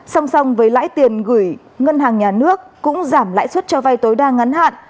song song với lãi tiền gửi ngân hàng nhà nước cũng giảm lãi suất cho vay tối đa ngắn hạn